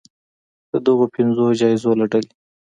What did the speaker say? د دغو پنځو جایزو له ډلې